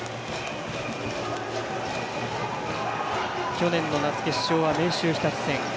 去年の夏、決勝は明秀日立戦。